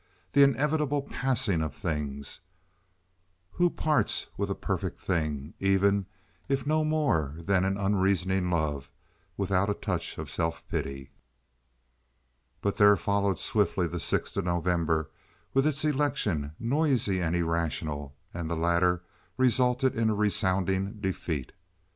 the inevitable passing of things! Who parts with a perfect thing, even if no more than an unreasoning love, without a touch of self pity? But there followed swiftly the sixth of November, with its election, noisy and irrational, and the latter resulted in a resounding defeat.